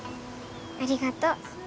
ありがとう。